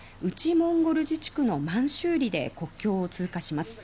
モンゴル自治区の満州里で国境を通過します。